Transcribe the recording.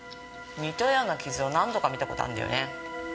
似たような傷を何度か見た事あるんだよね。